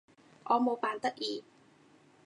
我冇扮得意